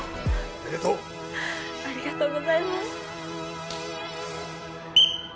ありがとうございます。